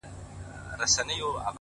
لکه لوبغاړی ضرورت کي په سر بال وهي’